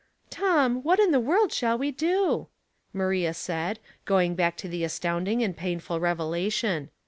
" Tom, what in the world shall we do? " Maria said, going back to the astounding and painful revelation.